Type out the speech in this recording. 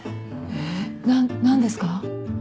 えっ何ですか？